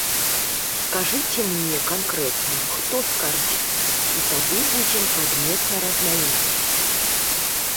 Скажыце мне канкрэтна, хто скардзіцца, і тады будзем прадметна размаўляць.